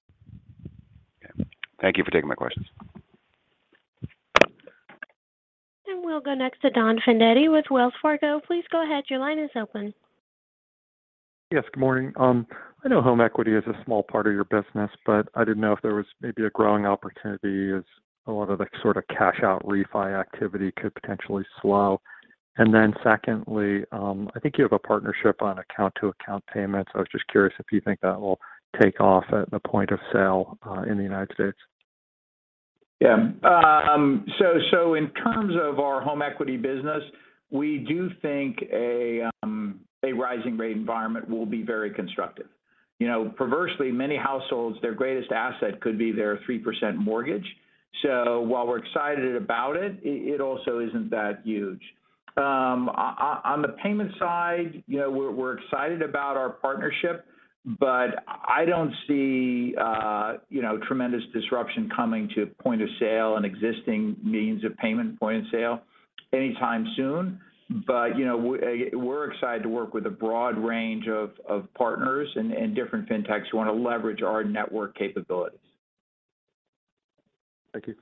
Okay. Thank you for taking my questions. We'll go next to Don Fandetti with Wells Fargo. Please go ahead. Your line is open. Yes. Good morning. I know Home Equity is a small part of your business, but I didn't know if there was maybe a growing opportunity as a lot of the sort of cash out refi activity could potentially slow. Secondly, I think you have a partnership on account-to-account payments. I was just curious if you think that will take off at the point of sale, in the United States. Yeah. In terms of our Home Equity business, we do think a rising rate environment will be very constructive. You know, perversely, many households, their greatest asset could be their 3% mortgage. While we're excited about it also isn't that huge. On the payment side, you know, we're excited about our partnership, but I don't see, you know, tremendous disruption coming to point of sale and existing means of payment point of sale anytime soon. You know, we're excited to work with a broad range of partners and different fintechs who wanna leverage our network capabilities. Thank you.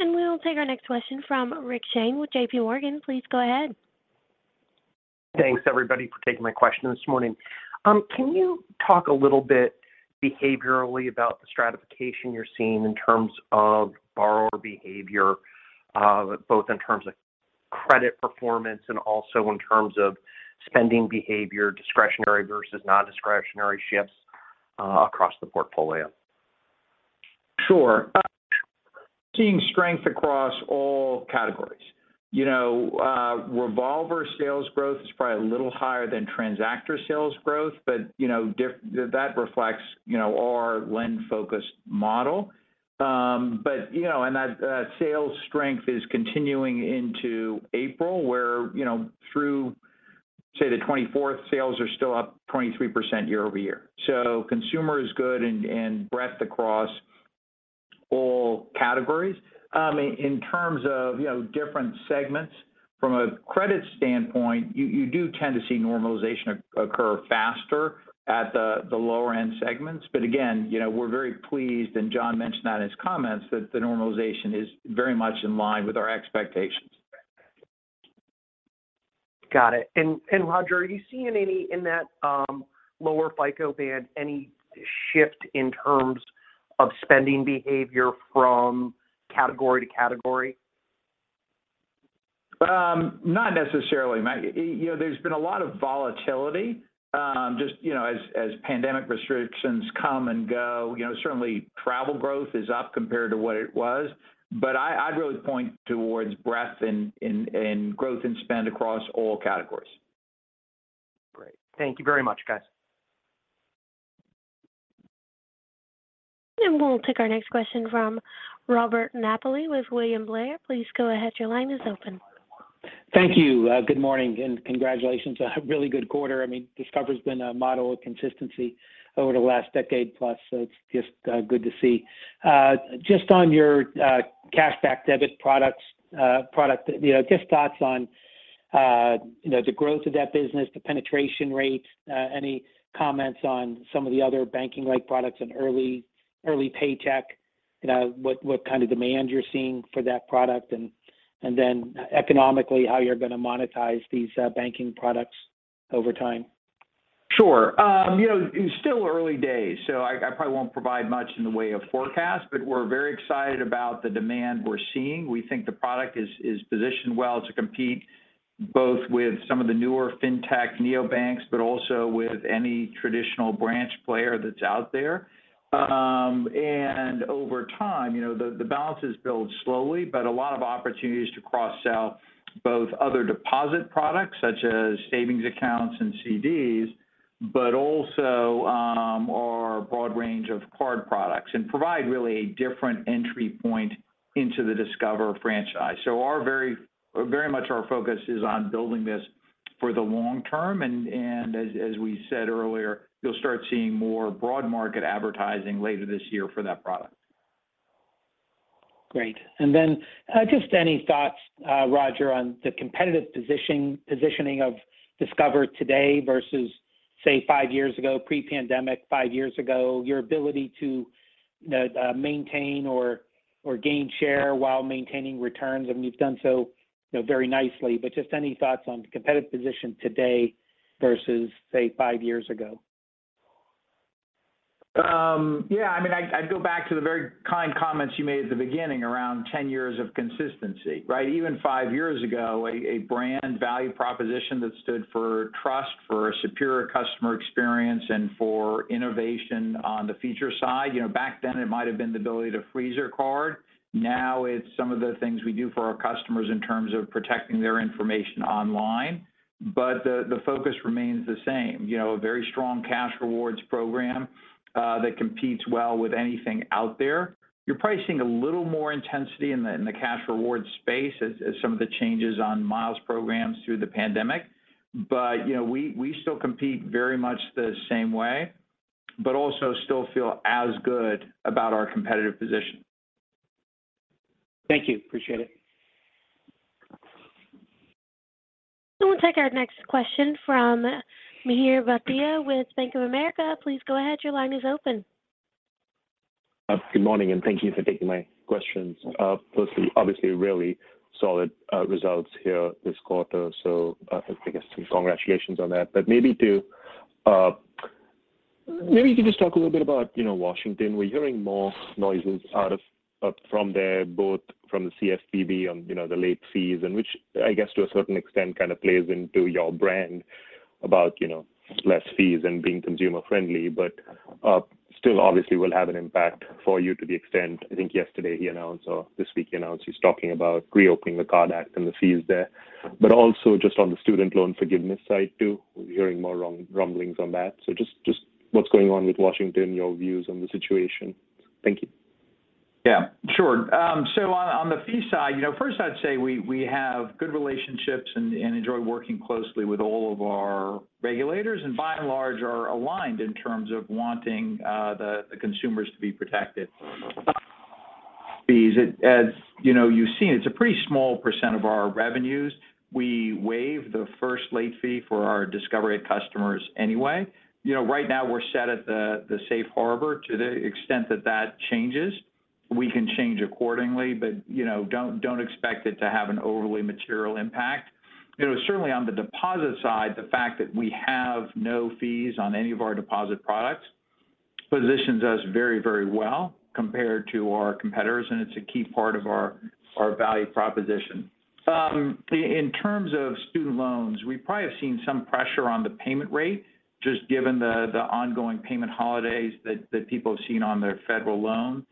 We'll take our next question from Rick Shane with JPMorgan. Please go ahead. Thanks everybody for taking my question this morning. Can you talk a little bit behaviorally about the stratification you're seeing in terms of borrower behavior, both in terms of credit performance and also in terms of spending behavior, discretionary versus non-discretionary shifts, across the portfolio? Sure. Seeing strength across all categories. You know, revolver sales growth is probably a little higher than transactor sales growth, but you know, that reflects you know, our lend-focused model. You know, that sales strength is continuing into April where, you know, through, say, the 24th, sales are still up 23% year-over-year. Consumer is good and breadth across all categories. In terms of, you know, different segments from a credit standpoint, you do tend to see normalization occur faster at the lower end segments. Again, you know, we're very pleased, and John mentioned that in his comments, that the normalization is very much in line with our expectations. Got it. Roger, are you seeing any in that lower FICO band, any shift in terms of spending behavior from category-to-category? Not necessarily, Matt. You know, there's been a lot of volatility, just, you know, as pandemic restrictions come and go. You know, certainly travel growth is up compared to what it was. I'd really point towards breadth in growth and spend across all categories. Great. Thank you very much, guys. We'll take our next question from Robert Napoli with William Blair. Please go ahead. Your line is open. Thank you. Good morning, and congratulations on a really good quarter. I mean, Discover's been a model of consistency over the last decade plus, so it's just good to see. Just on your Cashback Debit product, you know, just thoughts on, you know, the growth of that business, the penetration rate, any comments on some of the other banking-like products and Early Pay, you know, what kind of demand you're seeing for that product, and then economically, how you're gonna monetize these banking products over time. Sure. You know, it's still early days, so I probably won't provide much in the way of forecast, but we're very excited about the demand we're seeing. We think the product is positioned well to compete both with some of the newer fintech neo banks, but also with any traditional branch player that's out there. Over time, you know, the balances build slowly, but a lot of opportunities to cross-sell both other deposit products such as savings accounts and CDs, but also our broad range of card products, and provide really a different entry point into the Discover franchise. Very much our focus is on building this for the long term, and as we said earlier, you'll start seeing more broad market advertising later this year for that product. Great. Just any thoughts, Roger, on the competitive positioning of Discover today versus, say, five years ago, pre-pandemic five years ago, your ability to, you know, maintain or gain share while maintaining returns. I mean, you've done so, you know, very nicely, but just any thoughts on the competitive position today versus, say, five years ago. Yeah. I mean, I'd go back to the very kind comments you made at the beginning around 10 years of consistency, right? Even five years ago, a brand value proposition that stood for trust, for a superior customer experience, and for innovation on the feature side. You know, back then, it might have been the ability to freeze your card. Now it's some of the things we do for our customers in terms of protecting their information online. But the focus remains the same. You know, a very strong cash rewards program that competes well with anything out there. You're probably seeing a little more intensity in the cash rewards space as some of the changes on miles programs through the pandemic. But you know, we still compete very much the same way, but also still feel as good about our competitive position. Thank you. Appreciate it. We'll take our next question from Mihir Bhatia with Bank of America. Please go ahead. Your line is open. Good morning, and thank you for taking my questions. Firstly, obviously really solid results here this quarter. I guess congratulations on that. Maybe you can just talk a little bit about, you know, Washington. We're hearing more noises from there, both from the CFPB on, you know, the late fees, and which I guess to a certain extent, kind of plays into your brand about, you know, less fees and being consumer friendly. Still obviously will have an impact for you to the extent. I think yesterday he announced or this week he announced he's talking about reopening the CARD Act and the fees there. Also just on the student loan forgiveness side too, we're hearing more rumblings on that. Just what's going on with Washington, your views on the situation. Thank you. Yeah, sure. So on the fee side, you know, first I'd say we have good relationships and enjoy working closely with all of our regulators, and by and large, are aligned in terms of wanting the consumers to be protected. Fees, as you know, you've seen, it's a pretty small % of our revenues. We waive the first late fee for our Discover customers anyway. You know, right now we're set at the safe harbor. To the extent that that changes, we can change accordingly, but you know, don't expect it to have an overly material impact. You know, certainly on the deposit side, the fact that we have no fees on any of our deposit products positions us very, very well compared to our competitors, and it's a key part of our value proposition. In terms of student loans, we probably have seen some pressure on the payment rate, just given the ongoing payment holidays that people have seen on their federal loans.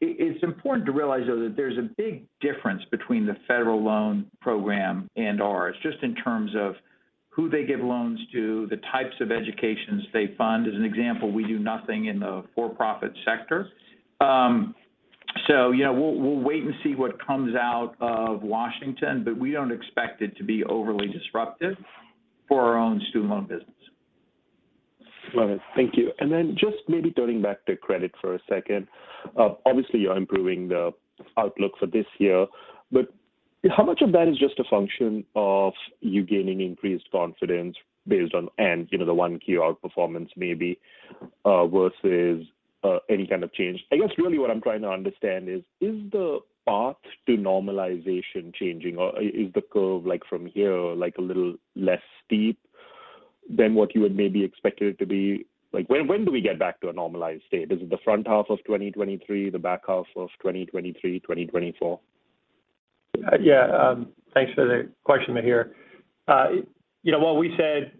It's important to realize, though, that there's a big difference between the federal loan program and ours, just in terms of who they give loans to, the types of educations they fund. As an example, we do nothing in the for-profit sector. So, you know, we'll wait and see what comes out of Washington, but we don't expect it to be overly disruptive for our own Student Loan business. Got it. Thank you. Just maybe turning back to credit for a second. Obviously, you're improving the outlook for this year, but how much of that is just a function of you gaining increased confidence based on, and, you know, the 1Q outperformance maybe versus any kind of change. I guess really what I'm trying to understand is the path to normalization changing or is the curve like from here, like a little less steep than what you had maybe expected it to be? Like when do we get back to a normalized state? Is it the front half of 2023? The back half of 2023, 2024? Yeah, thanks for the question, Mihir. You know, what we said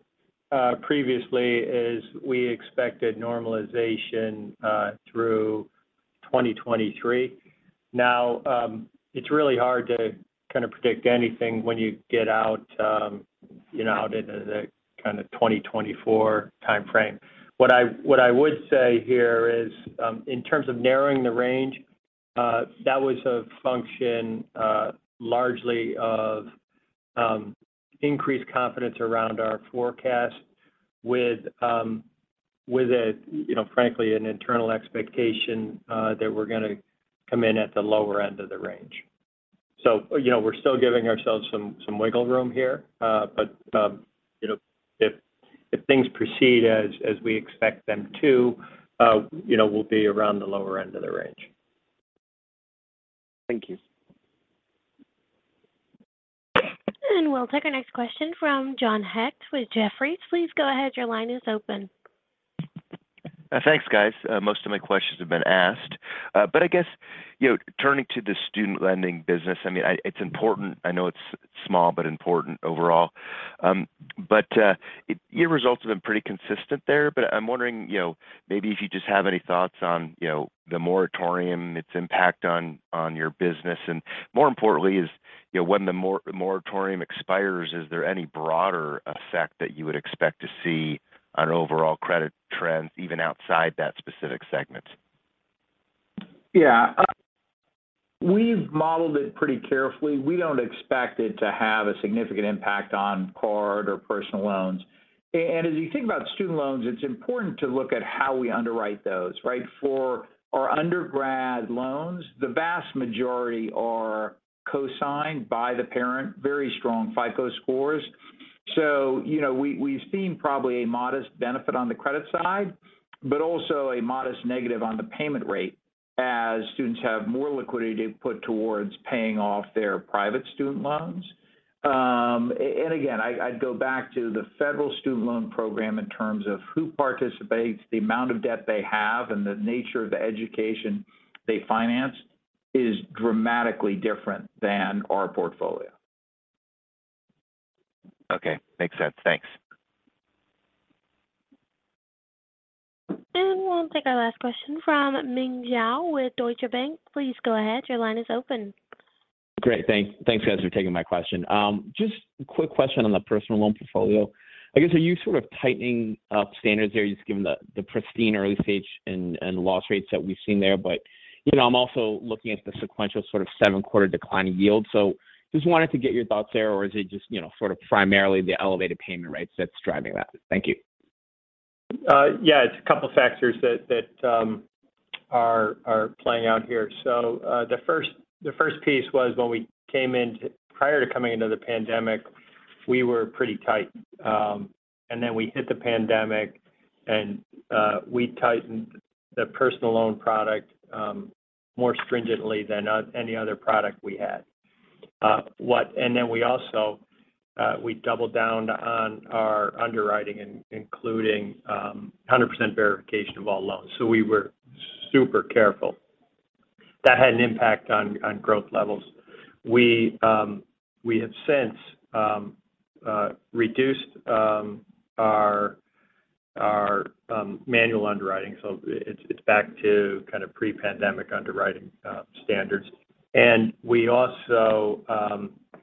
previously is we expected normalization through 2023. Now, it's really hard to kind of predict anything when you get out, you know, out into the kind of 2024 timeframe. What I would say here is, in terms of narrowing the range, that was a function largely of increased confidence around our forecast with, you know, frankly, an internal expectation that we're gonna come in at the lower end of the range. You know, we're still giving ourselves some wiggle room here. You know, if things proceed as we expect them to, you know, we'll be around the lower end of the range. Thank you. We'll take our next question from John Hecht with Jefferies. Please go ahead. Your line is open. Thanks, guys. Most of my questions have been asked. I guess, you know, turning to the student lending business, I mean, it's important. I know it's small but important overall. Your results have been pretty consistent there. I'm wondering, you know, maybe if you just have any thoughts on, you know, the moratorium, its impact on your business, and more importantly, you know, when the moratorium expires, is there any broader effect that you would expect to see on overall credit trends, even outside that specific segment? Yeah. We've modeled it pretty carefully. We don't expect it to have a significant impact on Card or Personal Loans. And as you think about student loans, it's important to look at how we underwrite those, right? For our undergrad loans, the vast majority are co-signed by the parent, very strong FICO scores. You know, we've seen probably a modest benefit on the credit side, but also a modest negative on the payment rate as students have more liquidity to put towards paying off their private student loans. And again, I'd go back to the Federal Student Loan program in terms of who participates, the amount of debt they have, and the nature of the education they finance is dramatically different than our portfolio. Okay. Makes sense. Thanks. We'll take our last question from Meng Jiao with Deutsche Bank. Please go ahead. Your line is open. Great. Thanks, guys, for taking my question. Just a quick question on the Personal Loan portfolio. I guess, are you sort of tightening up standards there just given the pristine early stage and loss rates that we've seen there? You know, I'm also looking at the sequential sort of seven-quarter decline in yield. Just wanted to get your thoughts there, or is it just, you know, sort of primarily the elevated payment rates that's driving that? Thank you. Yeah, it's a couple factors that are playing out here. The first piece was prior to coming into the pandemic, we were pretty tight. We hit the pandemic, and we tightened the Personal Loan product more stringently than any other product we had. We also doubled down on our underwriting, including 100% verification of all loans. We were super careful. That had an impact on growth levels. We have since reduced our manual underwriting, so it's back to kind of pre-pandemic underwriting standards. We also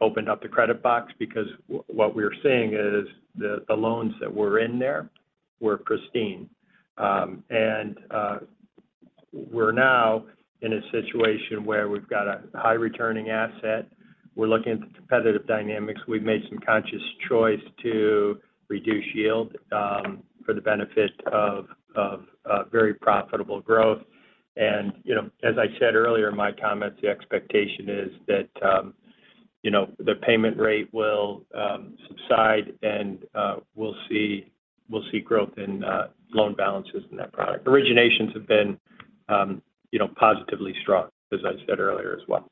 opened up the credit box because what we're seeing is the loans that were in there were pristine. We're now in a situation where we've got a high returning asset. We're looking at the competitive dynamics. We've made some conscious choice to reduce yield for the benefit of very profitable growth. You know, as I said earlier in my comments, the expectation is that, you know, the payment rate will subside and we'll see growth in loan balances in that product. Originations have been, you know, positively strong, as I said earlier as well.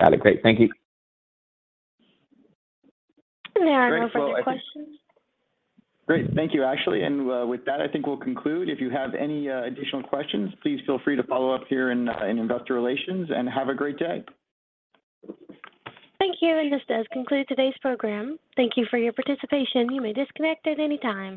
Got it. Great. Thank you. There are no further questions. Great. Thank you, Ashley. With that, I think we'll conclude. If you have any additional questions, please feel free to follow up here in Investor Relations, and have a great day. Thank you. This does conclude today's program. Thank you for your participation. You may disconnect at any time.